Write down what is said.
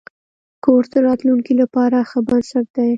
کورس د راتلونکي لپاره ښه بنسټ دی.